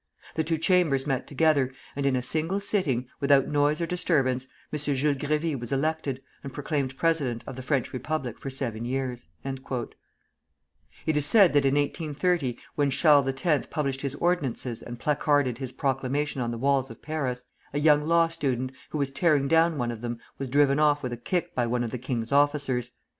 The two Chambers met together, and in a single sitting, without noise or disturbance, M. Jules Grévy was elected, and proclaimed president of the French Republic for seven years." It is said that in 1830, when Charles X. published his ordinances and placarded his proclamation on the walls of Paris, a young law student, who was tearing down one of them, was driven off with a kick by one of the king's officers.